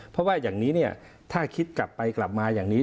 เพราะว่าอย่างนี้เนี่ยถ้าคิดกลับไปกลับมาอย่างนี้